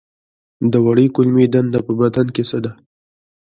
د وړې کولمې دنده په بدن کې څه ده